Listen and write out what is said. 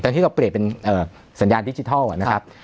แต่ที่เราเปลี่ยนเป็นสัญญาณดิจิทัลนะครับ